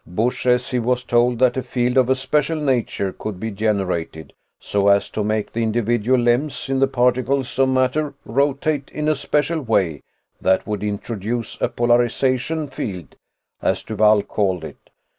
"Busch says he was told that a field of a special nature could be generated so as to make the individual lems in the particles of matter rotate in a special way that would introduce a 'polarization field', as Duvall called it.